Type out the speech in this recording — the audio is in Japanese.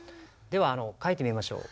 では書いてみましょう。